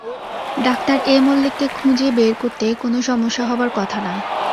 Doctor A মল্লিককে খুঁজে বের করতে কোনো সমস্যা হবার কথা নয়।